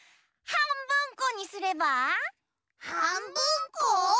はんぶんこ。